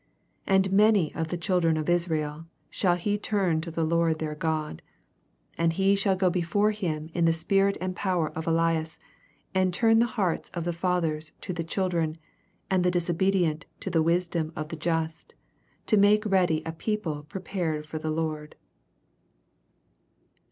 16 And many of the children of Israel shall he turn to the Lord their God. 17 And he shall go before him in the spirit and power of Elias, to turn the hearts of the fathers to the chil' dren, and the disobedient to the wis dom of the just : to make ready a people prepared K>r the Lord.